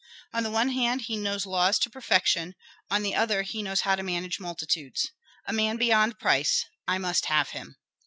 On the one hand he knows law to perfection, on the other he knows how to manage multitudes." "A man beyond price! I must have him."